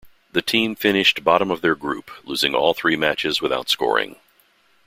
The team finished bottom of their group, losing all three matches without scoring.